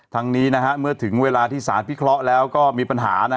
ทั้งนี้เมื่อถึงเวลาที่สารพิเคราะห์แล้วก็มีปัญหา